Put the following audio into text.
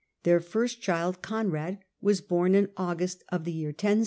Their first child, Conrad, was bom in August of the year 1071.